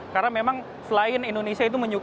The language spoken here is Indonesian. karena memang selain indonesia itu menyusulnya